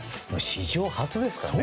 史上初ですからね。